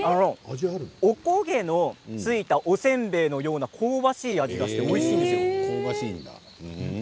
おこげのついたおせんべいのような香ばしい味がする、おいしいです。